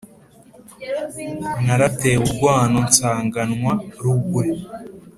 naratewe urwano nsanganwa rugwe.